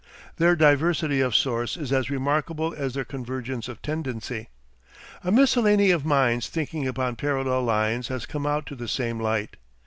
Their diversity of source is as remarkable as their convergence of tendency. A miscellany of minds thinking upon parallel lines has come out to the same light.